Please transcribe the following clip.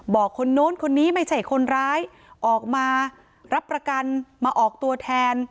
คนโน้นคนนี้ไม่ใช่คนร้ายออกมารับประกันมาออกตัวแทน